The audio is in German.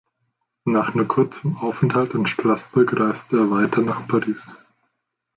Nach nur kurzem Aufenthalt in Straßburg reiste er weiter nach Paris.